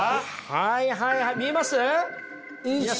はいはいはい見えます？